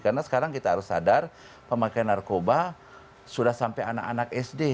karena sekarang kita harus sadar pemakaian narkoba sudah sampai anak anak sd